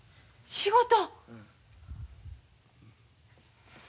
仕事？